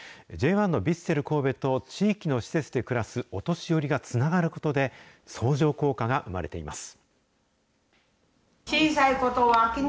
Ｊ１のヴィッセル神戸と地域の施設で暮らすお年寄りがつながることで、相乗効果が生まれています。